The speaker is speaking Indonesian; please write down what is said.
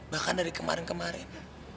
bahkan dari kemarin kemarin